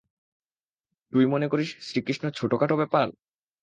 তুই মনে করিস শ্রীকৃষ্ণ ছোটখাটো ব্যাপার!